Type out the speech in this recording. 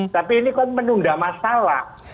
tapi ini kan menunda masalah